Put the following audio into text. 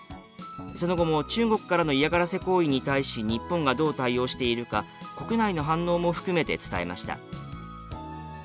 その後も中国からの嫌がらせ行為に対し日本がどう対応しているか国内の反応も含めて伝えました。